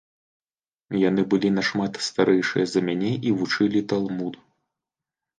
Яны былі нашмат старэйшыя за мяне і вучылі талмуд.